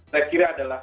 saya kira adalah